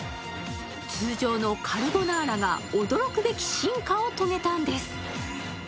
通常のカルボナーラが驚くべき進化を遂げたんです。